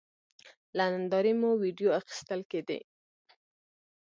له نندارې مو وېډیو اخیستل کېدې.